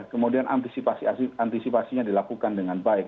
kemudian antisipasinya dilakukan dengan baik